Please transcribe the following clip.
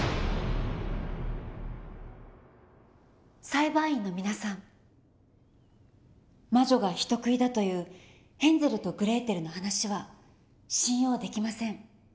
裁判員の皆さん魔女が人食いだというヘンゼルとグレーテルの話は信用できません。